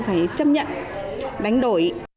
thay đổi bộ